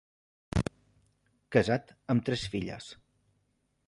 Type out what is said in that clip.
Casat amb tres filles.